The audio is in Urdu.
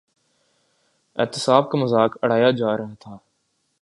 احتساب کا مذاق اڑایا جا رہا تھا۔